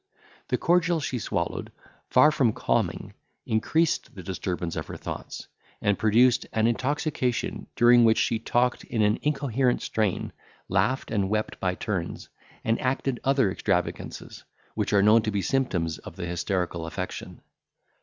The cordial she swallowed, far from calming, increased the disturbance of her thoughts, and produced an intoxication; during which, she talked in an incoherent strain, laughed and wept by turns, and acted other extravagances, which are known to be symptoms of the hysterical affection.